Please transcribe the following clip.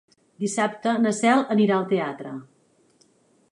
Dissabte na Cel anirà al teatre.